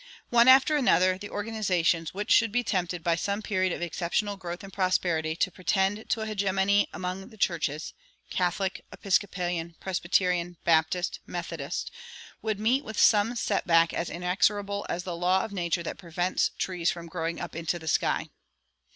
One after another the organizations which should be tempted by some period of exceptional growth and prosperity to pretend to a hegemony among the churches Catholic, Episcopalian, Presbyterian, Baptist, Methodist would meet with some set back as inexorable as "the law of nature that prevents the trees from growing up into the sky."